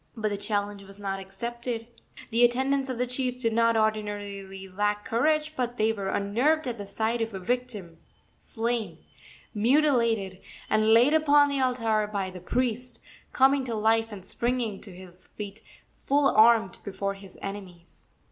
But the challenge was not accepted. The attendants of the chief did not ordinarily lack courage, but they were unnerved at the sight of a victim, slain, mutilated and laid upon the altar by the priest, coming to life and springing to his feet full armed before his enemies.